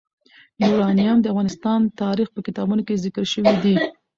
یورانیم د افغان تاریخ په کتابونو کې ذکر شوی دي.